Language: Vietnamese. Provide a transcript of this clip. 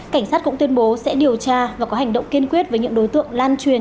cảnh sát cũng tuyên bố sẽ điều tra và có hành động kiên quyết với những đối tượng lan truyền